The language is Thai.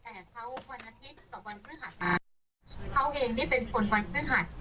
แต่เขาวันอาทิตย์กับวันพฤหัสไปเขาเองนี่เป็นคนวันพฤหัส